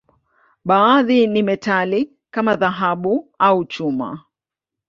Baadhi ni metali, kama dhahabu au chuma.